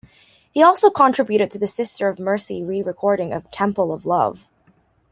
He also contributed to The Sisters of Mercy re-recording of "Temple of Love".